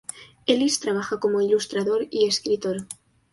Ellis trabaja como ilustrador y escritor.